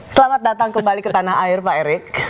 selamat datang kembali ke tanah air pak erik